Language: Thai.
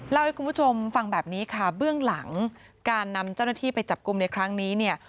เล่าให้คุณผู้ชมฟังแบบนี้ค่ะเบื้องหลังการนำเจ้าหน้าที่ไปจับกลุ่มในครั้งนี้เนี่ย